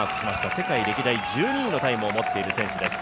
世界歴代１２位のタイムを持っている選手です。